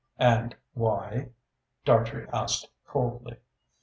"And why?" Dartrey asked coldly.